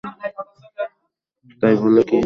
তাই বলে কি বিচারক খুনী?